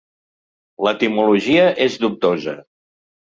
L'etimologia és dubtosa.